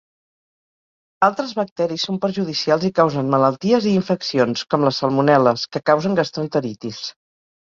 Altres bacteris són perjudicials i causen malalties i infeccions, com les salmonel·les que causen gastroenteritis.